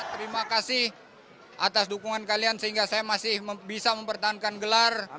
terima kasih atas dukungan kalian sehingga saya masih bisa mempertahankan gelar